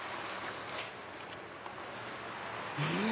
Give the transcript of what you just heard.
うん！